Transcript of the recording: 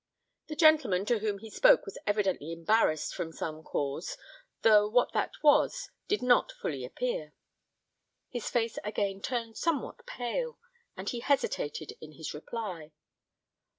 The gentleman to whom he spoke was evidently embarrassed from some cause, though what that was did not fully appear. His face again turned somewhat pale, and he hesitated in his reply.